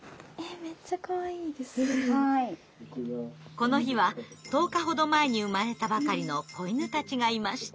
この日は１０日ほど前に生まれたばかりの子犬たちがいました。